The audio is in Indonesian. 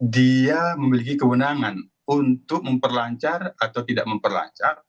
dia memiliki kewenangan untuk memperlancar atau tidak memperlancar